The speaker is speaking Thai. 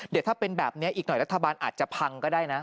เดี๋ยวถ้าเป็นแบบนี้อีกหน่อยรัฐบาลอาจจะพังก็ได้นะ